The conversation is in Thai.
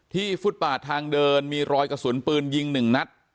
ฟุตบาททางเดินมีรอยกระสุนปืนยิง๑นัด